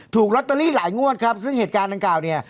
บอกรอเตอรี่หลายงวดครับซึ่งเหตุการณ์แม่งเก่าเนี่ย